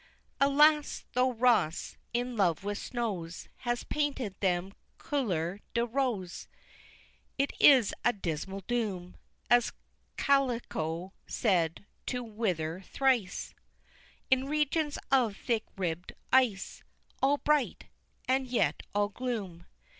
V. Alas! tho' Ross, in love with snows, Has painted them couleur de rose, It is a dismal doom, As Clauclio saith, to Winter thrice, "In regions of thick ribbed ice" All bright, and yet all gloom!